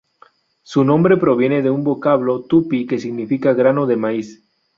Su nombre proviene de un vocablo tupi que significa grano de maíz.